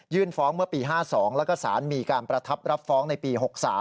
ฟ้องเมื่อปี๕๒แล้วก็สารมีการประทับรับฟ้องในปี๖๓